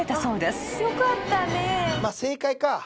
まあ正解か。